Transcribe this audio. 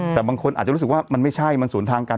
แต่บางคนอาจจะรู้สึกว่ามันไม่ใช่มันศูนย์ทางกัน